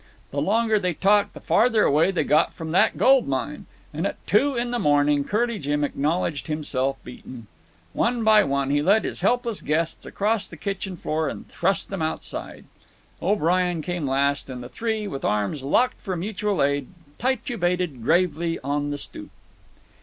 The longer they talked the farther away they got from that gold mine, and at two in the morning Curly Jim acknowledged himself beaten. One by one he led his helpless guests across the kitchen floor and thrust them outside. O'Brien came last, and the three, with arms locked for mutual aid, titubated gravely on the stoop.